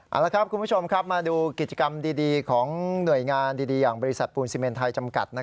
เอาละครับคุณผู้ชมครับมาดูกิจกรรมดีของหน่วยงานดีอย่างบริษัทปูนซีเมนไทยจำกัด